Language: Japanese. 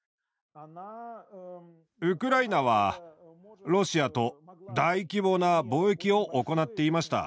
ウクライナはロシアと大規模な貿易を行っていました。